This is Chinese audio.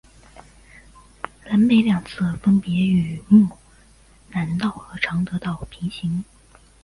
南北两侧分别与睦南道和常德道平行。